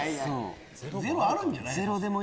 ０あるんじゃない？